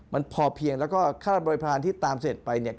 มันพอเพียงผสมน้ำบริพราณที่ตามเสร็จตามไป